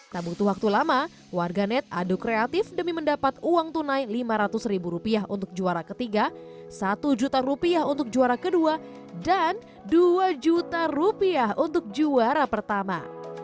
tak butuh waktu lama warganet aduk kreatif demi mendapat uang tunai lima ratus ribu rupiah untuk juara ketiga satu juta rupiah untuk juara kedua dan dua juta rupiah untuk juara pertama